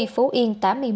phú yên tám mươi một